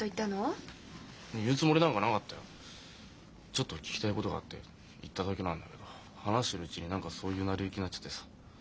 ちょっと聞きたいことがあって行っただけなんだけど話してるうちに何かそういう成り行きになっちゃってさ。